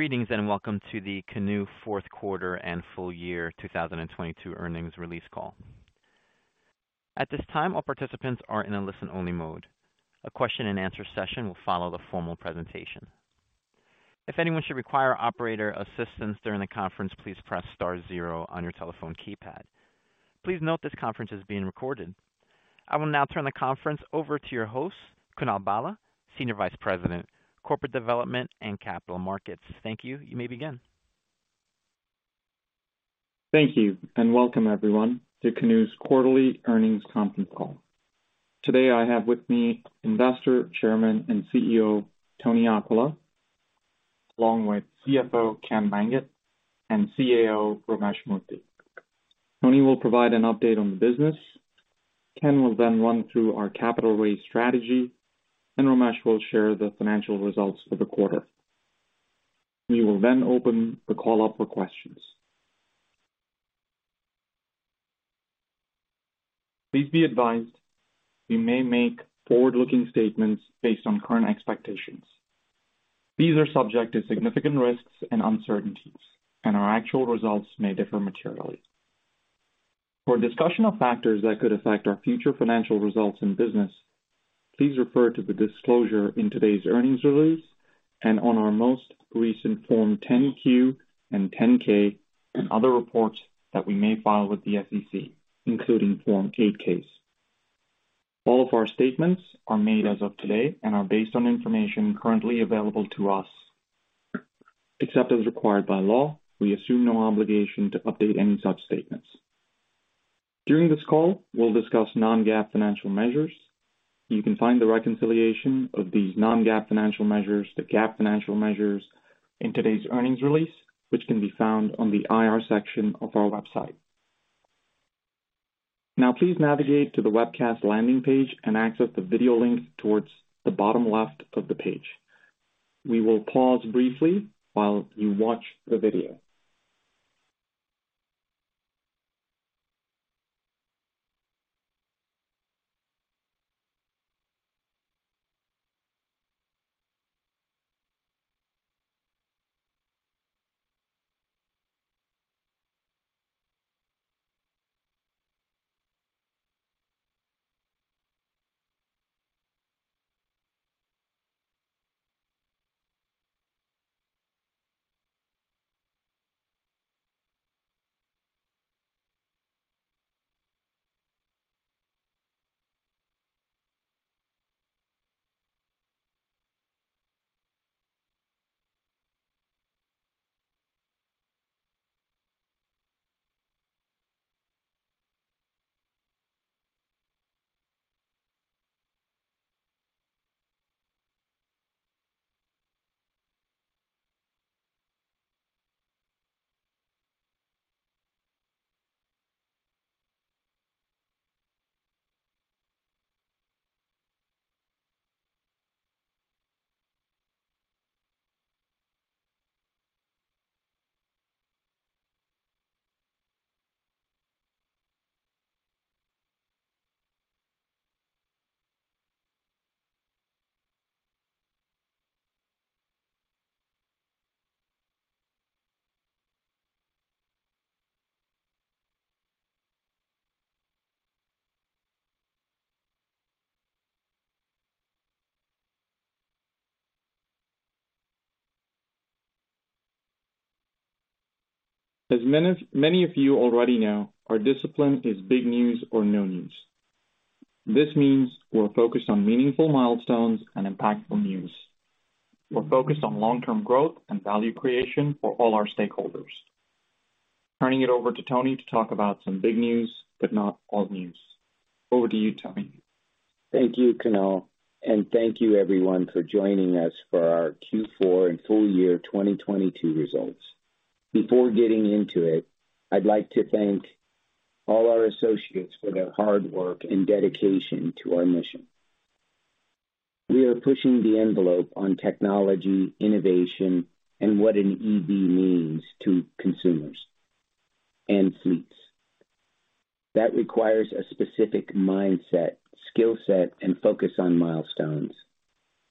Greetings, welcome to the Canoo Fourth Quarter and Full Year 2022 Earnings Release Call. At this time, all participants are in a listen-only mode. A question-and-answer session will follow the formal presentation. If anyone should require operator assistance during the conference, please press star zero on your telephone keypad. Please note this conference is being recorded. I will now turn the conference over to your host, Kunal Bhalla, Senior Vice President, Corporate Development and Capital Markets. Thank you. You may begin. Thank you. Welcome everyone to Canoo's Quarterly Earnings Conference Call. Today I have with me investor, chairman, and CEO, Tony Aquila, along with CFO Ken Manget and CAO Ramesh Murthy. Tony will provide an update on the business. Ken will then run through our capital raise strategy. Ramesh will share the financial results for the quarter. We will then open the call up for questions. Please be advised we may make forward-looking statements based on current expectations. These are subject to significant risks and uncertainties. Our actual results may differ materially. For a discussion of factors that could affect our future financial results and business, please refer to the disclosure in today's earnings release and on our most recent Form 10-Q and 10-K and other reports that we may file with the SEC, including Form 8-Ks. All of our statements are made as of today and are based on information currently available to us. Except as required by law, we assume no obligation to update any such statements. During this call, we'll discuss non-GAAP financial measures. You can find the reconciliation of these non-GAAP financial measures to GAAP financial measures in today's earnings release, which can be found on the IR section of our website. Please navigate to the webcast landing page and access the video link towards the bottom left of the page. We will pause briefly while you watch the video. As many of you already know, our discipline is big news or no news. This means we're focused on meaningful milestones and impactful news. We're focused on long-term growth and value creation for all our stakeholders. Turning it over to Tony to talk about some big news, but not all news. Over to you, Tony. Thank you, Kunal, thank you everyone for joining us for our Q4 and full year 2022 results. Before getting into it, I'd like to thank all our associates for their hard work and dedication to our mission. We are pushing the envelope on technology, innovation, and what an EV means to consumers and fleets. That requires a specific mindset, skill set, and focus on milestones.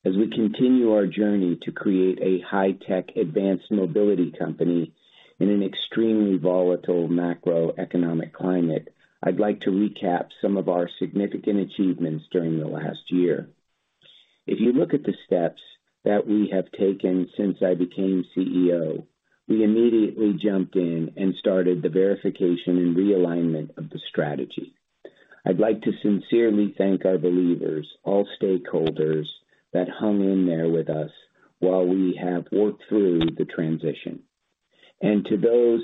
As we continue our journey to create a high-tech advanced mobility company in an extremely volatile macroeconomic climate, I'd like to recap some of our significant achievements during the last year. If you look at the steps that we have taken since I became CEO, we immediately jumped in and started the verification and realignment of the strategy. I'd like to sincerely thank our believers, all stakeholders that hung in there with us while we have worked through the transition. To those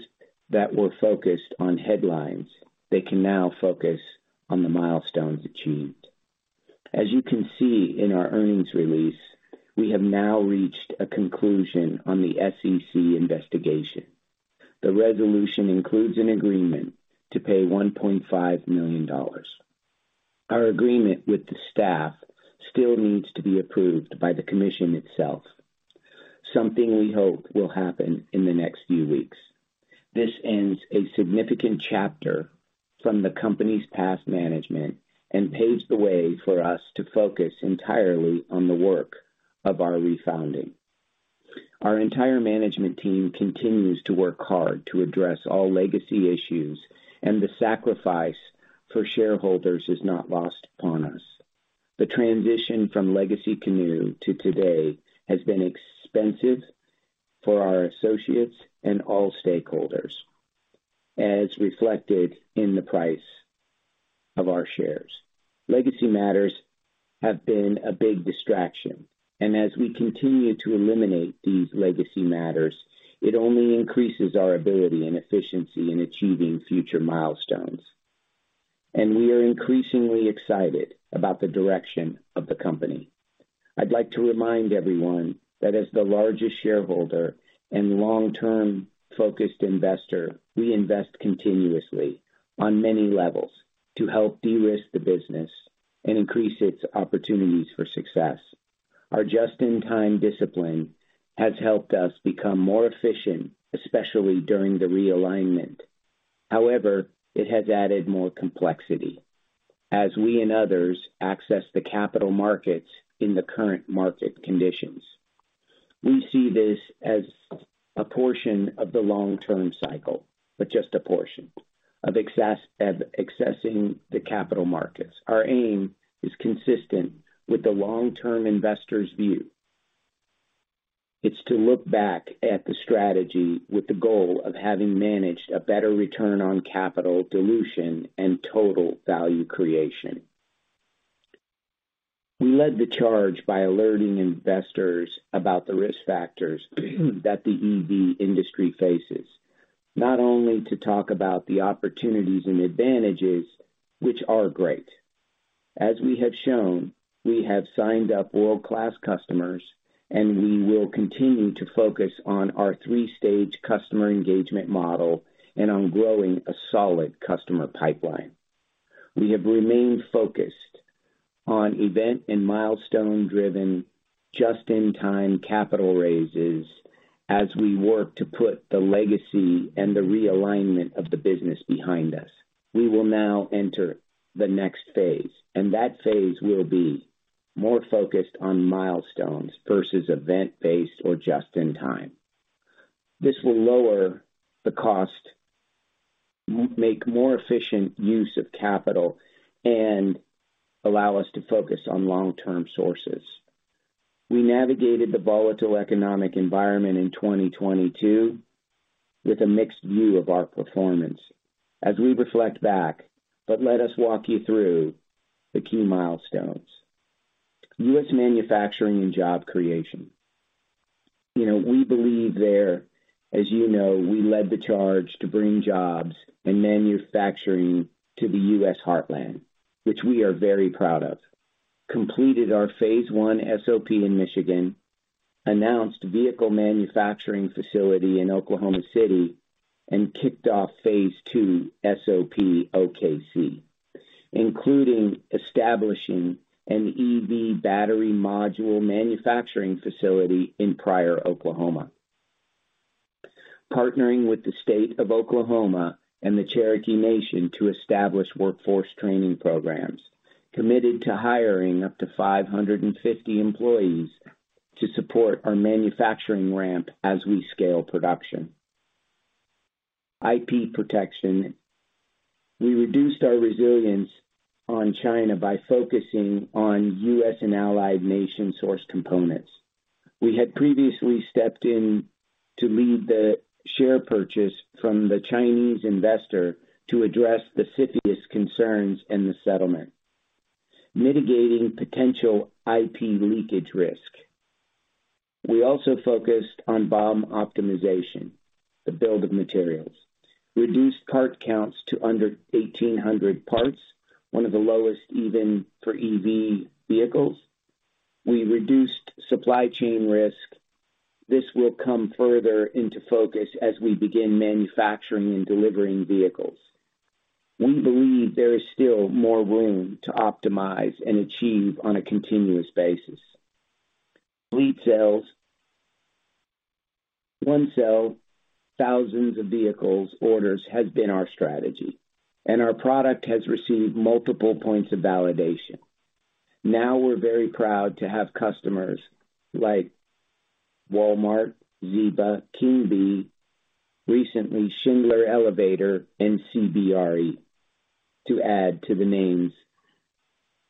that were focused on headlines, they can now focus on the milestones achieved. As you can see in our earnings release, we have now reached a conclusion on the SEC investigation. The resolution includes an agreement to pay $1.5 million. Our agreement with the staff still needs to be approved by the commission itself, something we hope will happen in the next few weeks. This ends a significant chapter from the company's past management and paves the way for us to focus entirely on the work of our refounding. Our entire management team continues to work hard to address all legacy issues, and the sacrifice for shareholders is not lost upon us. The transition from legacy Canoo to today has been expensive for our associates and all stakeholders, as reflected in the price of our shares. Legacy matters have been a big distraction, and as we continue to eliminate these legacy matters, it only increases our ability and efficiency in achieving future milestones. We are increasingly excited about the direction of the company. I'd like to remind everyone that as the largest shareholder and long-term focused investor, we invest continuously on many levels to help de-risk the business and increase its opportunities for success. Our just-in-time discipline has helped us become more efficient, especially during the realignment. However, it has added more complexity as we and others access the capital markets in the current market conditions. We see this as a portion of the long-term cycle, but just a portion of accessing the capital markets. Our aim is consistent with the long-term investor's view. It's to look back at the strategy with the goal of having managed a better return on capital dilution and total value creation. We led the charge by alerting investors about the risk factors that the EV industry faces, not only to talk about the opportunities and advantages, which are great. As we have shown, we have signed up world-class customers, and we will continue to focus on our three-stage customer engagement model and on growing a solid customer pipeline. We have remained focused on event and milestone-driven, just-in-time capital raises as we work to put the legacy and the realignment of the business behind us. We will now enter the next phase, and that phase will be more focused on milestones versus event-based or just in time. This will lower the cost, make more efficient use of capital, and allow us to focus on long-term sources. We navigated the volatile economic environment in 2022 with a mixed view of our performance as we reflect back. Let us walk you through the key milestones. U.S. manufacturing and job creation. You know, we believe there, as you know, we led the charge to bring jobs and manufacturing to the U.S. Heartland, which we are very proud of. Completed our phase I SOP in Michigan, announced vehicle manufacturing facility in Oklahoma City and kicked off phase II SOP OKC, including establishing an EV battery module manufacturing facility in Pryor, Oklahoma. Partnering with the state of Oklahoma and the Cherokee Nation to establish workforce training programs. Committed to hiring up to 550 employees to support our manufacturing ramp as we scale production. IP protection. We reduced our reliance on China by focusing on U.S. and allied nation source components. We had previously stepped in to lead the share purchase from the Chinese investor to address the CFIUS concerns and the settlement, mitigating potential IP leakage risk. We also focused on BOM optimization, the Bill of Materials. Reduced part counts to under 1,800 parts, one of the lowest even for EV vehicles. We reduced supply chain risk. This will come further into focus as we begin manufacturing and delivering vehicles. We believe there is still more room to optimize and achieve on a continuous basis. Fleet sales. One sale, thousands of vehicles orders has been our strategy, and our product has received multiple points of validation. We're very proud to have customers like Walmart, Zeeba, Kingbee, recently Schindler Elevator, and CBRE to add to the names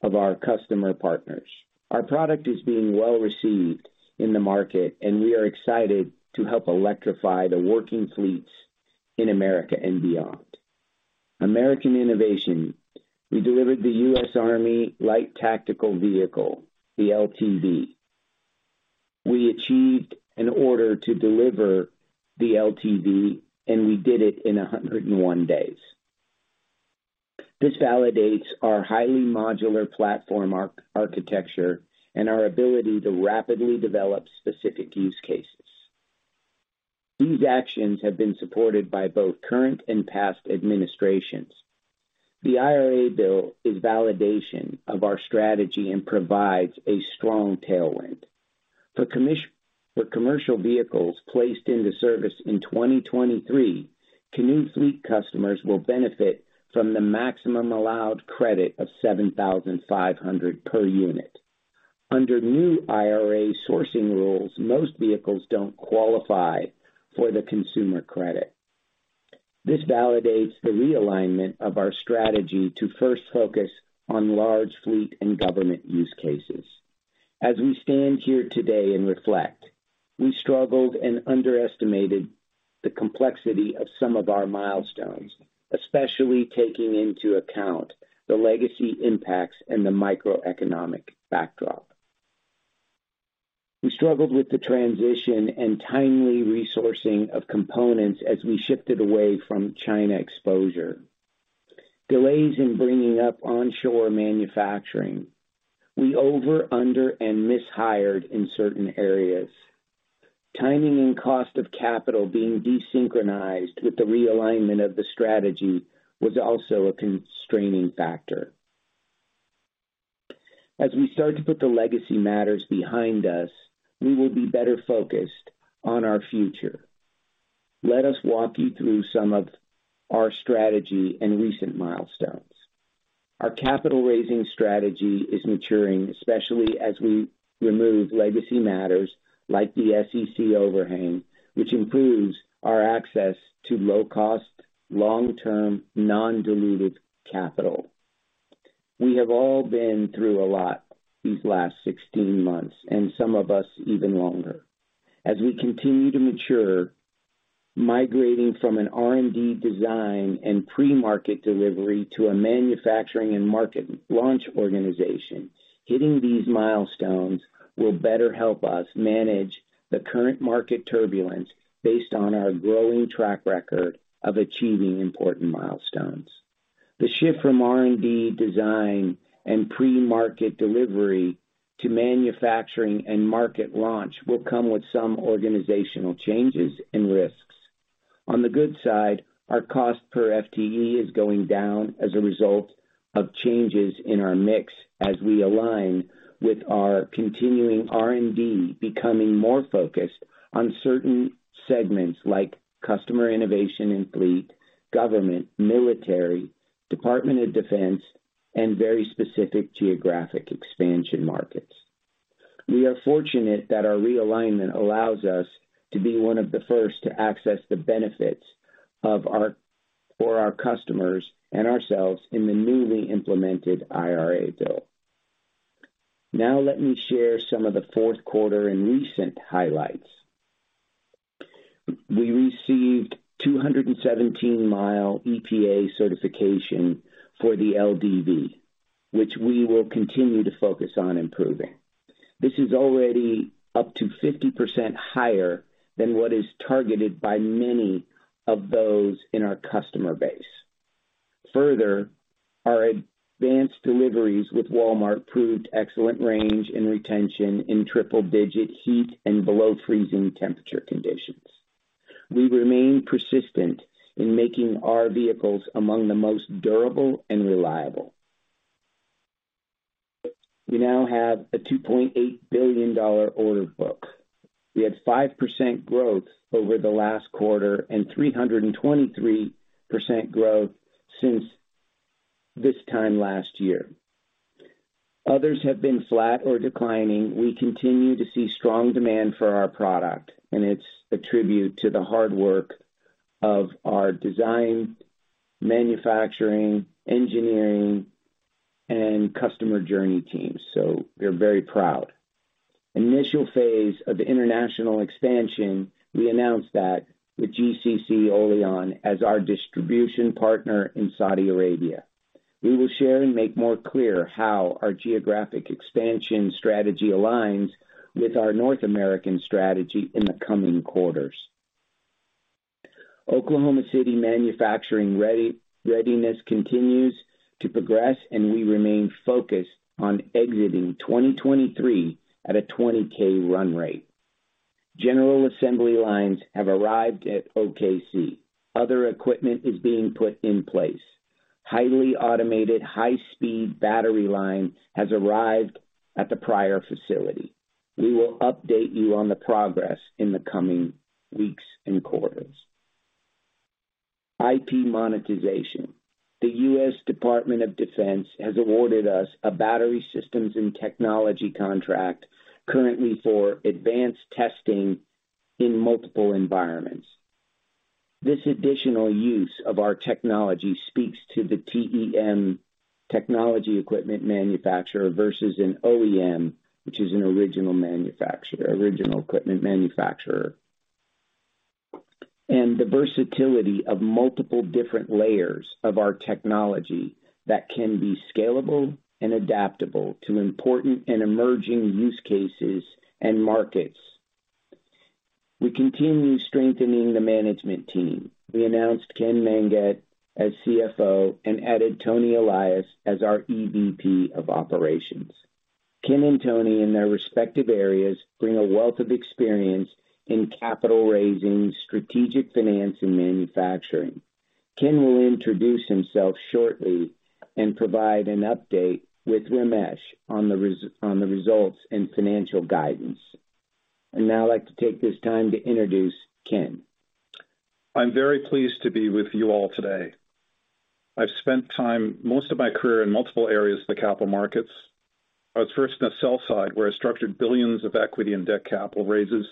of our customer partners. Our product is being well-received in the market, and we are excited to help electrify the working fleets in America and beyond. American innovation. We delivered the U.S. Army Light Tactical Vehicle, the LTV. We achieved an order to deliver the LTV, and we did it in 101 days. This validates our highly modular platform arc-architecture and our ability to rapidly develop specific use cases. These actions have been supported by both current and past administrations. The IRA bill is validation of our strategy and provides a strong tailwind. For commercial vehicles placed into service in 2023, Canoo fleet customers will benefit from the maximum allowed credit of $7,500 per unit. Under new IRA sourcing rules, most vehicles don't qualify for the consumer credit. This validates the realignment of our strategy to first focus on large fleet and government use cases. As we stand here today and reflect, we struggled and underestimated the complexity of some of our milestones, especially taking into account the legacy impacts and the microeconomic backdrop. We struggled with the transition and timely resourcing of components as we shifted away from China exposure. Delays in bringing up onshore manufacturing. We over, under, and mishired in certain areas. Timing and cost of capital being desynchronized with the realignment of the strategy was also a constraining factor. As we start to put the legacy matters behind us, we will be better focused on our future. Let us walk you through some of our strategy and recent milestones. Our capital raising strategy is maturing, especially as we remove legacy matters like the SEC overhang, which improves our access to low cost, long-term, non-diluted capital. We have all been through a lot these last 16 months, and some of us even longer. As we continue to mature, migrating from an R&D design and pre-market delivery to a manufacturing and market launch organization, hitting these milestones will better help us manage the current market turbulence based on our growing track record of achieving important milestones. The shift from R&D design and pre-market delivery to manufacturing and market launch will come with some organizational changes and risks. On the good side, our cost per FTE is going down as a result of changes in our mix as we align with our continuing R&D becoming more focused on certain segments like customer innovation and fleet, government, military, Department of Defense, and very specific geographic expansion markets. We are fortunate that our realignment allows us to be one of the first to access the benefits of our... Let me share some of the fourth quarter and recent highlights. We received 217 mile EPA certification for the LDV, which we will continue to focus on improving. This is already up to 50% higher than what is targeted by many of those in our customer base. Our advanced deliveries with Walmart proved excellent range and retention in triple-digit heat and below freezing temperature conditions. We remain persistent in making our vehicles among the most durable and reliable. We now have a $2.8 billion order book. We had 5% growth over the last quarter and 323% growth since this time last year. Others have been flat or declining. We continue to see strong demand for our product, it's a tribute to the hard work of our design, manufacturing, engineering, and customer journey teams. We're very proud. Initial phase of international expansion, we announced that with GCC Olayan as our distribution partner in Saudi Arabia. We will share and make more clear how our geographic expansion strategy aligns with our North American strategy in the coming quarters. Oklahoma City manufacturing ready-readiness continues to progress, and we remain focused on exiting 2023 at a 20,000 run rate. General assembly lines have arrived at OKC. Other equipment is being put in place. Highly automated, high-speed battery line has arrived at the prior facility. We will update you on the progress in the coming weeks and quarters. IP monetization. The U.S. Department of Defense has awarded us a battery systems and technology contract currently for advanced testing in multiple environments. This additional use of our technology speaks to the TEM, technology equipment manufacturer, versus an OEM, which is an original equipment manufacturer, and the versatility of multiple different layers of our technology that can be scalable and adaptable to important and emerging use cases and markets. We continue strengthening the management team. We announced Ken Manget as CFO and added Tony Elias as our EVP of operations. Ken and Tony, in their respective areas, bring a wealth of experience in capital raising, strategic finance and manufacturing. Ken will introduce himself shortly and provide an update with Ramesh on the results and financial guidance. Now I'd like to take this time to introduce Ken. I'm very pleased to be with you all today. I've spent time most of my career in multiple areas of the capital markets. I was first in the sell side, where I structured $ billions of equity and debt capital raises,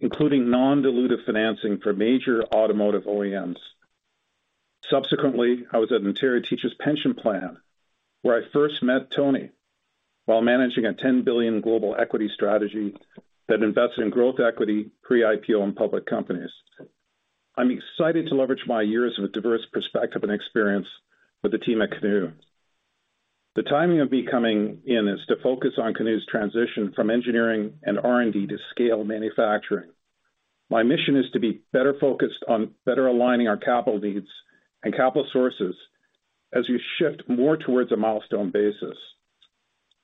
including non-dilutive financing for major automotive OEMs. Subsequently, I was at Ontario Teachers' Pension Plan, where I first met Tony while managing a $10 billion global equity strategy that invests in growth equity, pre-IPO and public companies. I'm excited to leverage my years of a diverse perspective and experience with the team at Canoo. The timing of me coming in is to focus on Canoo's transition from engineering and R&D to scale manufacturing. My mission is to be better focused on better aligning our capital needs and capital sources as we shift more towards a milestone basis.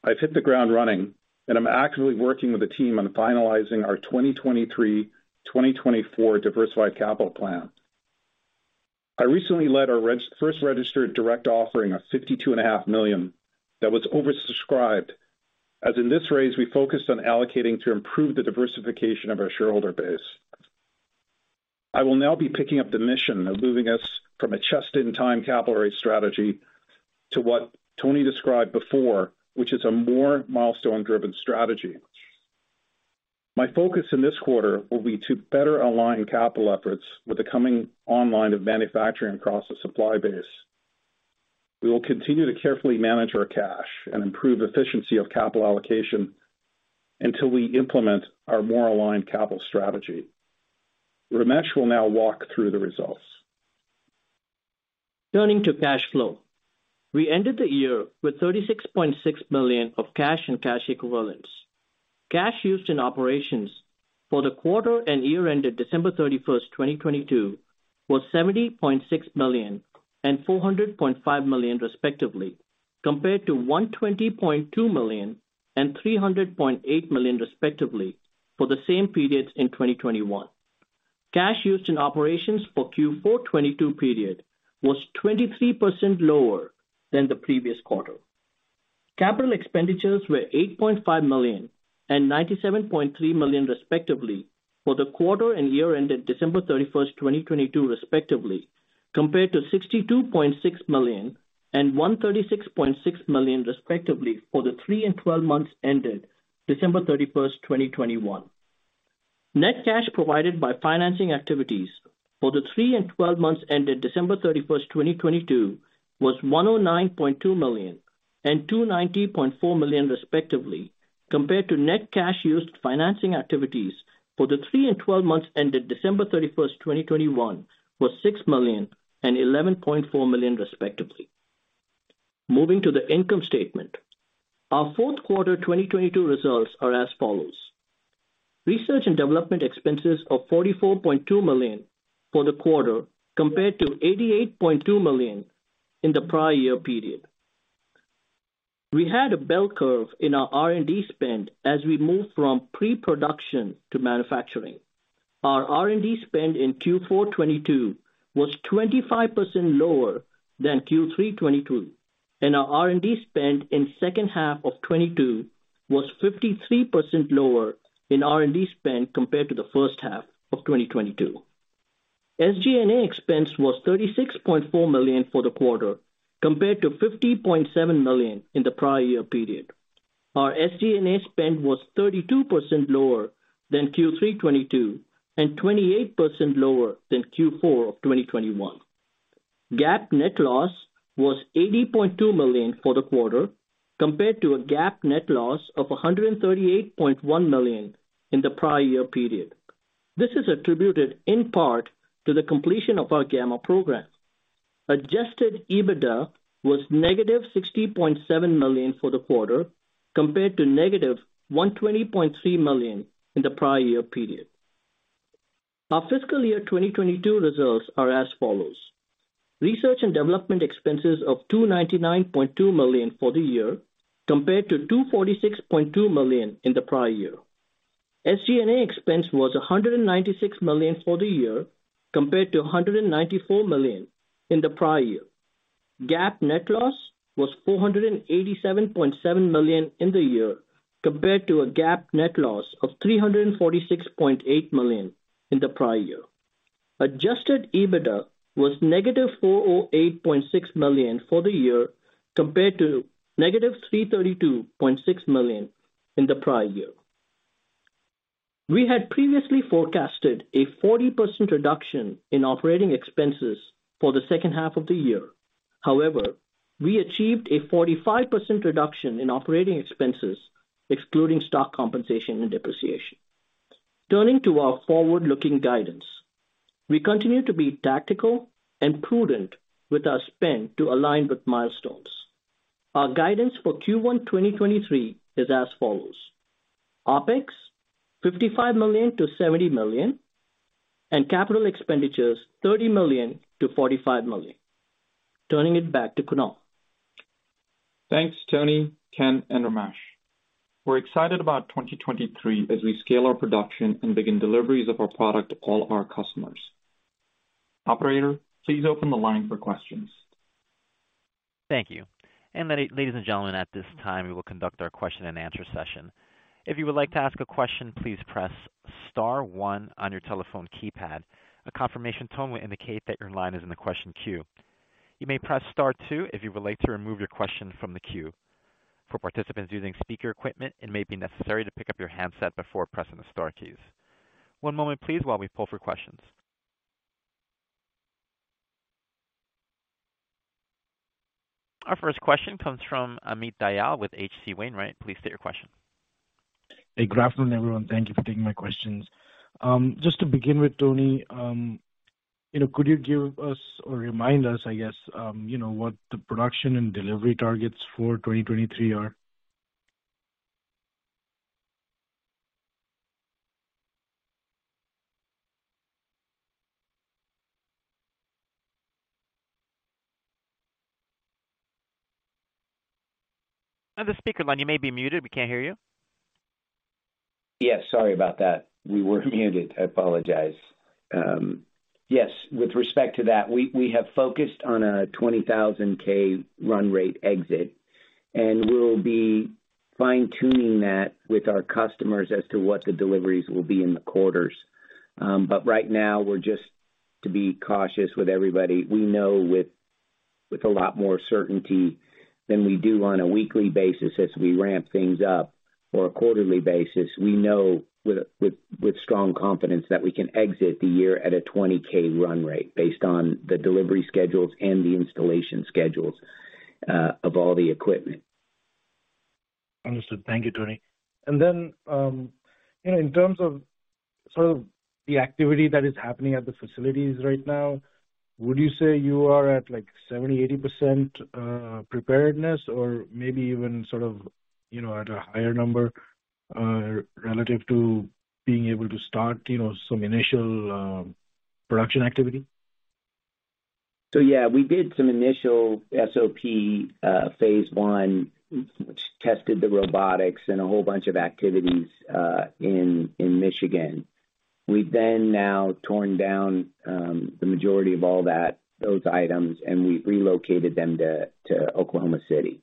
I've hit the ground running and I'm actively working with the team on finalizing our 2023, 2024 diversified capital plan. I recently led our first registered direct offering of $52.5 million that was oversubscribed, as in this raise we focused on allocating to improve the diversification of our shareholder base. I will now be picking up the mission of moving us from a just-in-time capital raise strategy to what Tony described before, which is a more milestone-driven strategy. My focus in this quarter will be to better align capital efforts with the coming online of manufacturing across the supply base. We will continue to carefully manage our cash and improve efficiency of capital allocation until we implement our more aligned capital strategy. Ramesh will now walk through the results. Turning to cash flow. We ended the year with $36.6 million of cash and cash equivalents. Cash used in operations for the quarter and year ended December 31st, 2022 was $70.6 million and $400.5 million respectively, compared to $120.2 million and $300.8 million respectively for the same periods in 2021. Cash used in operations for Q4 2022 period was 23% lower than the previous quarter. Capital expenditures were $8.5 million and $97.3 million respectively for the quarter and year ended December 31st, 2022 respectively, compared to $62.6 million and $136.6 million respectively for the three and 12 months ended December 31st, 2021. Net cash provided by financing activities for the three and 12 months ended December 31st, 2022 was $109.2 million and $290.4 million respectively, compared to net cash used financing activities for the three and 12 months ended December 31st, 2021 was $6 million and $11.4 million respectively. Moving to the income statement. Our fourth quarter 2022 results are as follows: Research and Development expenses of $44.2 million for the quarter, compared to $88.2 million in the prior year period. We had a bell curve in our R&D spend as we moved from pre-production to manufacturing. Our R&D spend in Q4 2022 was 25% lower than Q3 2022, and our R&D spend in second half of 2022 was 53% lower in R&D spend compared to the first half of 2022. SG&A expense was $36.4 million for the quarter, compared to $50.7 million in the prior year period. Our SG&A spend was 32% lower than Q3 2022 and 28% lower than Q4 2021. GAAP net loss was $80.2 million for the quarter, compared to a GAAP net loss of $138.1 million in the prior year period. This is attributed in part to the completion of our Gamma program. Adjusted EBITDA was negative $60.7 million for the quarter, compared to negative $120.3 million in the prior year period. Our fiscal year 2022 results are as follows: Research and development expenses of $299.2 million for the year, compared to $246.2 million in the prior year. SG&A expense was $196 million for the year, compared to $194 million in the prior year. GAAP net loss was $487.7 million in the year, compared to a GAAP net loss of $346.8 million in the prior year. Adjusted EBITDA was negative $408.6 million for the year, compared to negative $332.6 million in the prior year. We had previously forecasted a 40% reduction in operating expenses for the second half of the year. However, we achieved a 45% reduction in operating expenses, excluding stock compensation and depreciation. Turning to our forward-looking guidance. We continue to be tactical and prudent with our spend to align with milestones. Our guidance for Q1 2023 is as follows: OpEx, $55 million-$70 million, and capital expenditures, $30 million-$45 million. Turning it back to Kunal. Thanks, Tony, Ken, and Ramesh. We're excited about 2023 as we scale our production and begin deliveries of our product to all our customers. Operator, please open the line for questions. Thank you. Ladies, and gentlemen, at this time, we will conduct our question-and-answer session. If you would like to ask a question, please press star one on your telephone keypad. A confirmation tone will indicate that your line is in the question queue. You may press star two if you would like to remove your question from the queue. For participants using speaker equipment, it may be necessary to pick up your handset before pressing the star keys. One moment please while we pull for questions. Our first question comes from Amit Dayal with H.C. Wainwright. Please state your question. Hey, good afternoon, everyone. Thank Thank you for taking my questions. Just to begin with, Tony, you know, could you give us or remind us, I guess, you know, what the production and delivery targets for 2023 are? On the speaker line, you may be muted. We can't hear you. Sorry about that. We were muted. I apologize. Yes, with respect to that, we have focused on a 20,000 run rate exit, and we'll be fine-tuning that with our customers as to what the deliveries will be in the quarters. Right now we're just to be cautious with everybody. We know with a lot more certainty than we do on a weekly basis as we ramp things up or a quarterly basis. We know with strong confidence that we can exit the year at a 20,000 run rate based on the delivery schedules and the installation schedules of all the equipment. Understood. Thank you, Tony. You know, in terms of sort of the activity that is happening at the facilities right now, would you say you are at like 70%, 80% preparedness or maybe even sort of, you know, at a higher number, relative to being able to start, you know, some initial production activity? Yeah, we did some initial SOP, phase I, which tested the robotics and a whole bunch of activities in Michigan. We've now torn down the majority of all that, those items, and we relocated them to Oklahoma City.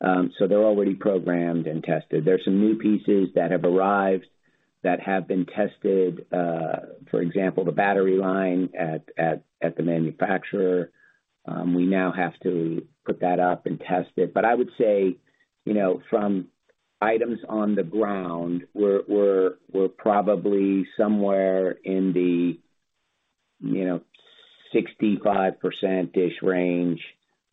They're already programmed and tested. There's some new pieces that have arrived that have been tested, for example, the battery line at the manufacturer. We now have to put that up and test it. I would say, you know, from items on the ground, we're probably somewhere in the, you know, 65%-ish range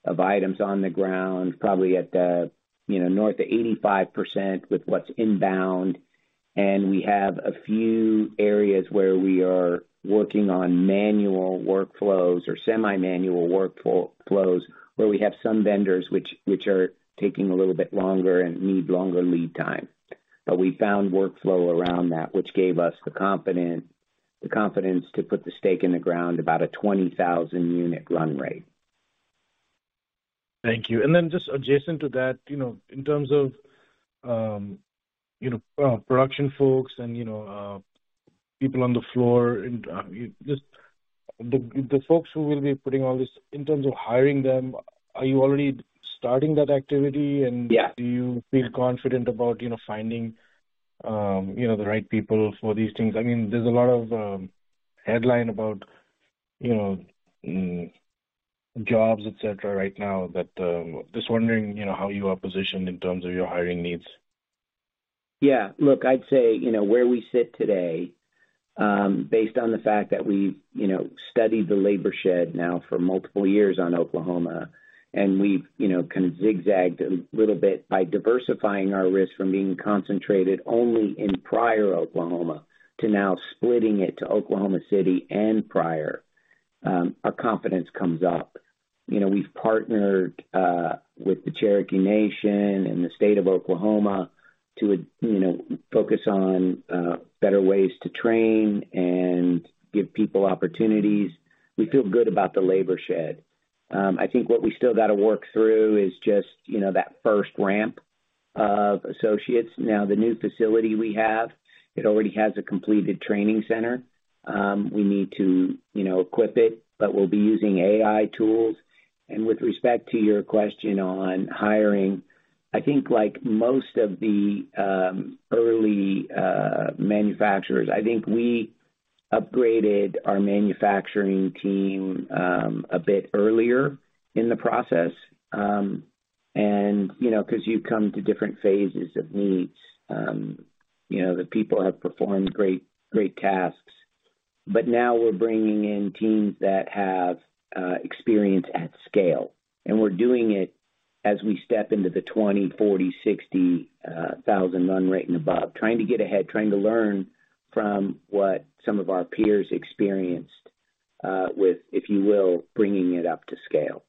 of items on the ground, probably at the, you know, north of 85% with what's inbound. We have a few areas where we are working on manual workflows or semi-manual workflows, where we have some vendors which are taking a little bit longer and need longer lead time. We found workflow around that, which gave us the confidence to put the stake in the ground about a 20,000 unit run rate. Thank you. Just adjacent to that, you know, in terms of, you know, production folks and, you know, people on the floor and, just the folks who will be putting all this. In terms of hiring them, are you already starting that activity? Yeah. Do you feel confident about, you know, finding, you know, the right people for these things? I mean, there's a lot of headline about, you know, jobs, et cetera, right now. Just wondering, you know, how you are positioned in terms of your hiring needs. Yeah. Look, I'd say, you know, where we sit today, based on the fact that we've, you know, studied the labor shed now for multiple years on Oklahoma, and we've, you know, kind of zigzagged a little bit by diversifying our risk from being concentrated only in Pryor, Oklahoma, to now splitting it to Oklahoma City and Pryor, our confidence comes up. You know, we've partnered with the Cherokee Nation and the state of Oklahoma to, you know, focus on better ways to train and give people opportunities. We feel good about the labor shed. I think what we still gotta work through is just, you know, that first ramp of associates. The new facility we have, it already has a completed training center. We need to, you know, equip it, but we'll be using AI tools. With respect to your question on hiring, I think like most of the early manufacturers, I think we upgraded our manufacturing team a bit earlier in the process. You know, 'cause you come to different phases of needs, you know, the people have performed great tasks. Now we're bringing in teams that have experience at scale, and we're doing it as we step into the 20,000, 40,000, 60,000 run rate and above, trying to get ahead, trying to learn from what some of our peers experienced with, if you will, bringing it up to scale.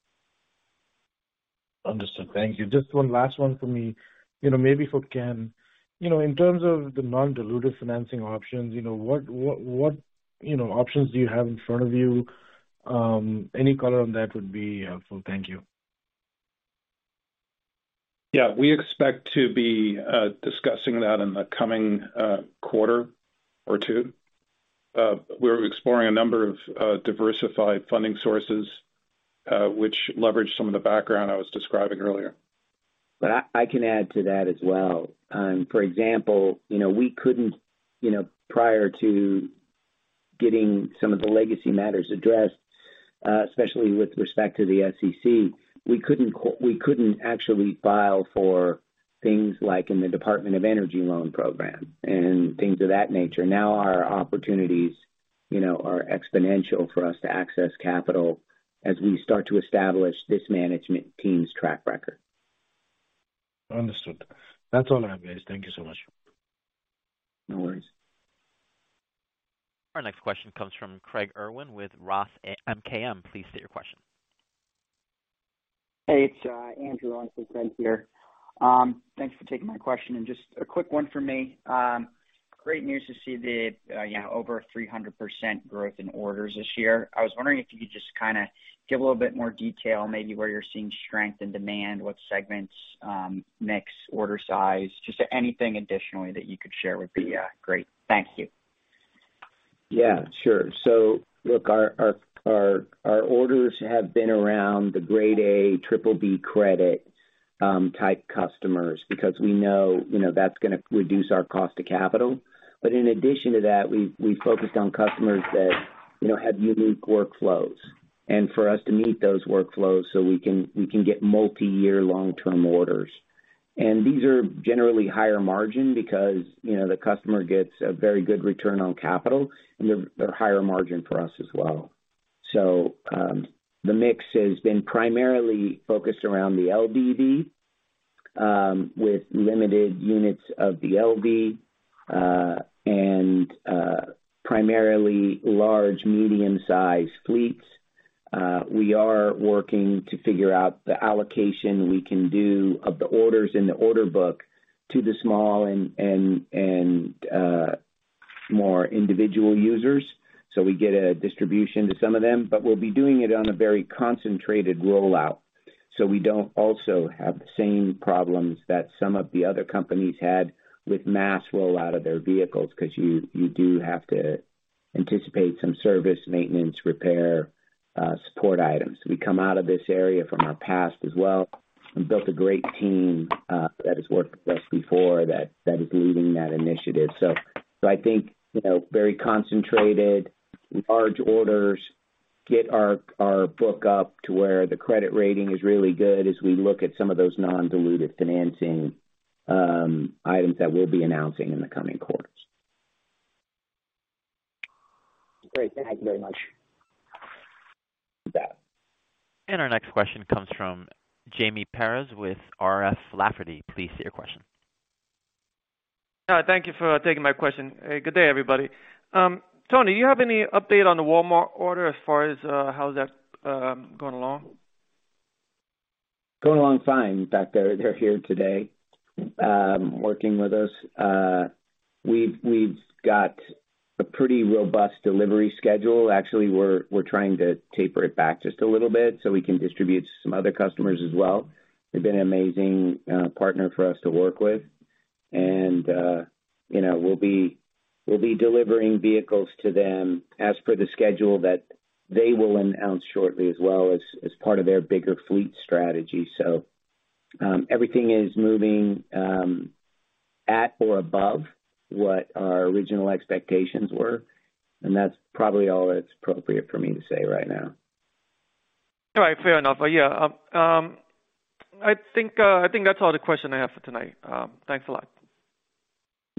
Understood. Thank you. Just one last one for me. You know, maybe for Ken, you know, in terms of the non-dilutive financing options, you know, what, you know, options do you have in front of you? Any color on that would be helpful. Thank you. Yeah. We expect to be discussing that in the coming quarter or two. We're exploring a number of diversified funding sources, which leverage some of the background I was describing earlier. I can add to that as well. For example, you know, we couldn't, you know, prior to getting some of the legacy matters addressed, especially with respect to the SEC, we couldn't actually file for things like in the Department of Energy loan program and things of that nature. Our opportunities, you know, are exponential for us to access capital as we start to establish this management team's track record. Understood. That's all I have, guys. Thank you so much. No worries. Our next question comes from Craig Irwin with ROTH MKM. Please state your question. Hey, it's Andrew on for Craig here. Thanks for taking my question. Just a quick one for me. Great news to see the, yeah, over 300% growth in orders this year. I was wondering if you could just kinda give a little bit more detail, maybe where you're seeing strength in demand, what segments, mix, order size, just anything additionally that you could share would be great. Thank you. Look, our orders have been around the grade A, BBB credit, type customers because we know, you know, that's gonna reduce our cost to capital. In addition to that, we've focused on customers that, you know, have unique workflows, and for us to meet those workflows so we can get multiyear long-term orders. These are generally higher margin because, you know, the customer gets a very good return on capital, and they're higher margin for us as well. The mix has been primarily focused around the LDV, with limited units of the LV, and primarily large medium-sized fleets. We are working to figure out the allocation we can do of the orders in the order book to the small and more individual users, so we get a distribution to some of them. We'll be doing it on a very concentrated rollout, so we don't also have the same problems that some of the other companies had with mass rollout of their vehicles, 'cause you do have to anticipate some service, maintenance, repair, support items. We come out of this area from our past as well and built a great team that has worked with us before that is leading that initiative. I think, you know, very concentrated, large orders, get our book up to where the credit rating is really good as we look at some of those non-dilutive financing items that we'll be announcing in the coming quarters. Great. Thank you very much. You bet. Our next question comes from Jaime Perez with R.F. Lafferty. Please state your question. Thank you for taking my question. Good day, everybody. Tony, do you have any update on the Walmart order as far as how that going along? Going along fine. In fact, they're here today, working with us. We've got a pretty robust delivery schedule. Actually, we're trying to taper it back just a little bit so we can distribute to some other customers as well. They've been an amazing partner for us to work with. You know, we'll be delivering vehicles to them as per the schedule that they will announce shortly as well as part of their bigger fleet strategy. Everything is moving at or above what our original expectations were, and that's probably all that's appropriate for me to say right now. All right, fair enough. Yeah, I think that's all the question I have for tonight. Thanks a lot.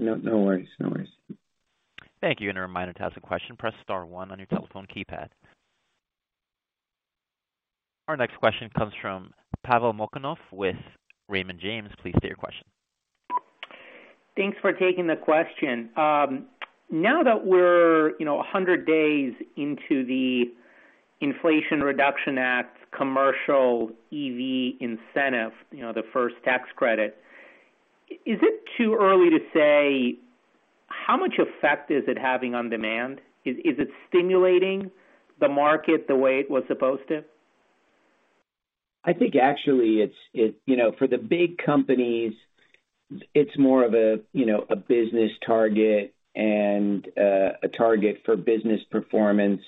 No, no worries. No worries. Thank you. A reminder, to ask a question, press star one on your telephone keypad. Our next question comes from Pavel Molchanov with Raymond James. Please state your question. Thanks for taking the question. Now that we're, you know, 100 days into the Inflation Reduction Act commercial EV incentive, you know, the first tax credit, is it too early to say how much effect is it having on demand? Is it stimulating the market the way it was supposed to? I think actually it's, you know, for the big companies, it's more of a, you know, a business target and a target for business performance.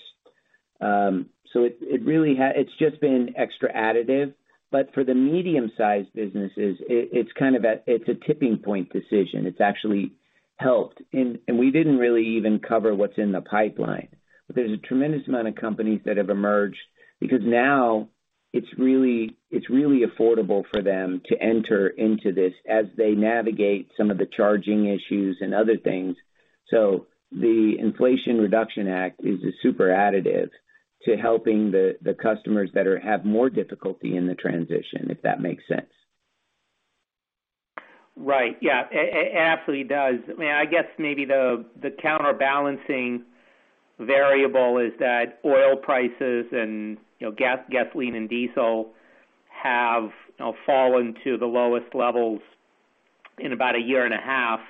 so it's just been extra additive. But for the medium-sized businesses, it's kind of a, it's a tipping point decision. It's actually helped. we didn't really even cover what's in the pipeline. there's a tremendous amount of companies that have emerged because now it's really, it's really affordable for them to enter into this as they navigate some of the charging issues and other things. the Inflation Reduction Act is a super additive to helping the customers that are have more difficulty in the transition, if that makes sense. Right. Yeah. It absolutely does. I mean, I guess maybe the counterbalancing variable is that oil prices and, you know, gasoline and diesel have, you know, fallen to the lowest levels in about a year and a half.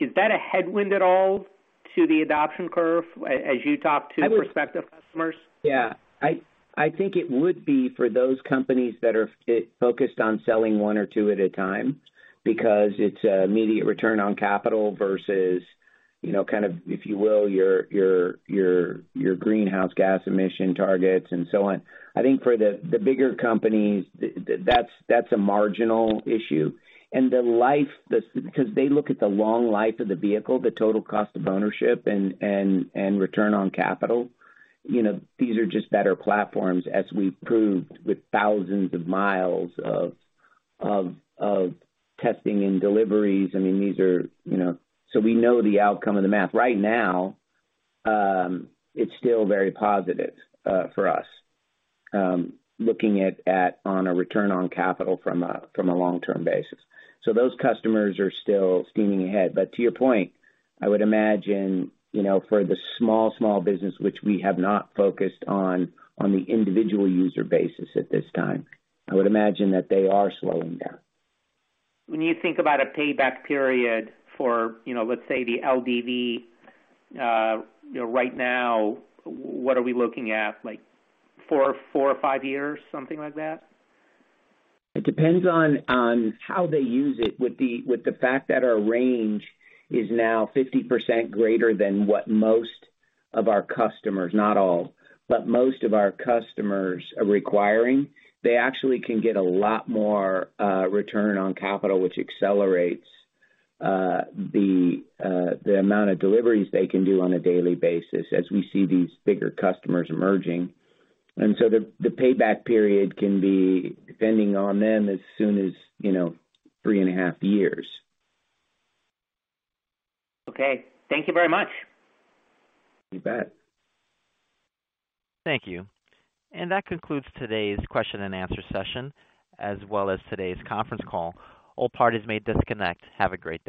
Is that a headwind at all to the adoption curve as you talk to prospective customers? Yeah. I think it would be for those companies that are focused on selling one or two at a time because it's immediate return on capital versus, you know, kind of, if you will, your greenhouse gas emission targets and so on. I think for the bigger companies, that's a marginal issue. The life, 'cause they look at the long life of the vehicle, the total cost of ownership and return on capital. You know, these are just better platforms as we've proved with thousands of miles of testing and deliveries. I mean, these are, you know. We know the outcome of the math. Right now, it's still very positive for us looking at on a return on capital from a long-term basis. Those customers are still steaming ahead. But to your point, I would imagine, you know, for the small business which we have not focused on the individual user basis at this time, I would imagine that they are slowing down. When you think about a payback period for, you know, let's say the LDV, you know, right now, what are we looking at? Like, four or five years, something like that? It depends on how they use it. With the fact that our range is now 50% greater than what most of our customers, not all, but most of our customers are requiring, they actually can get a lot more return on capital, which accelerates the amount of deliveries they can do on a daily basis as we see these bigger customers emerging. The payback period can be, depending on them, as soon as, you know, three and a half years. Okay. Thank you very much. You bet. Thank you. That concludes today's question-and-answer session, as well as today's conference call. All parties may disconnect. Have a great day.